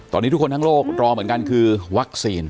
ตอนนี้ทุกคนทั้งโลกรอเหมือนกันคือวัคซีน